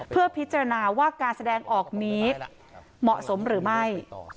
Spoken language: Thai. เพื่อพิจารณาว่าการแสดงออกนี้เหมาะสมหรือไม่